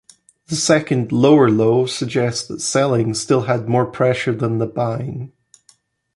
The second lower low suggests that selling still had more pressure than the buying.